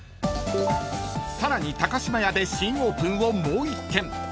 ［さらに高島屋で新オープンをもう１軒］